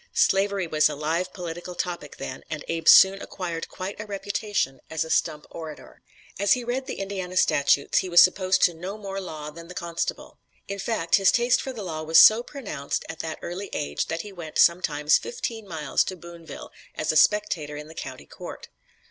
Slavery was a live political topic then, and Abe soon acquired quite a reputation as a stump orator. As he read the "Indiana Statutes" he was supposed to "know more law than the constable." In fact, his taste for the law was so pronounced at that early age that he went, sometimes, fifteen miles to Boonville, as a spectator in the county court.